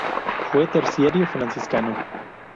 Fue terciario franciscano.